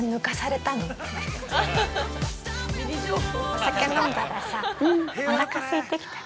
お酒飲んだらさ、おなかすいてきた。